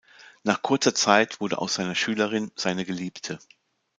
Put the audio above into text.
Nach kurzer Zeit wurde aus seiner Schülerin seine Geliebte.